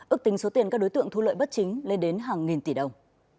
ước tính số tiền các đối tượng thu lợi bất chính lên đến hàng nghìn tỷ đồng